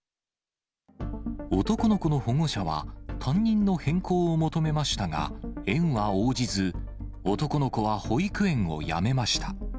男の子の保護者は、担任の変更を求めましたが、園は応じず、男の子は保育園をやめました。